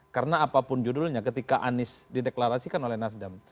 karena apapun judulnya ketika anies dideklarasikan oleh nasdem